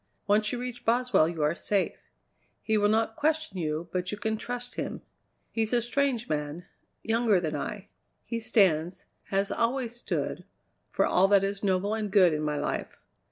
Once you reach Boswell you are safe. He will not question you, but you can trust him. He's a strange man younger than I; he stands, has always stood, for all that is noble and good in my life.